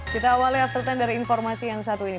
kita awalnya aftertandar informasi yang satu ini